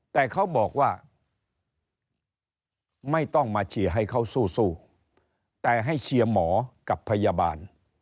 แต่เขาบอกว่าไม่ต้องมาเชียร์ให้เขาสู้แต่ให้เชียร์หมอกับพยาบาล